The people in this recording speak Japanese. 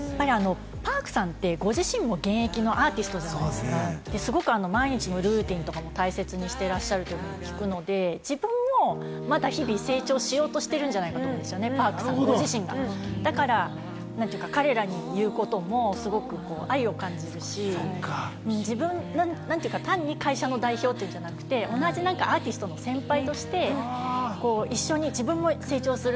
Ｐａｒｋさんって、現役のアーティストじゃないですか、毎日のルーティンとかも大切にしていらっしゃると聞くので、自分も日々成長しようとしているんじゃないかと思うんですよね、Ｐａｒｋさん自身も、彼らに言うこともすごく愛を感じるし、単に会社の代表ではなくて、同じアーティストの先輩として、一緒に自分も成長する。